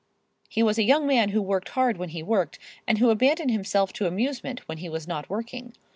He was a young man who worked hard when he worked, and who abandoned himself to amusement when he was not working.